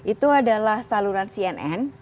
itu adalah saluran cnn